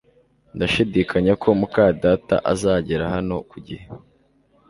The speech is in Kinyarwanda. Ndashidikanya ko muka data azagera hano ku gihe